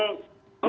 ya kalau mendukung